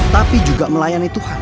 tapi juga melayani tuhan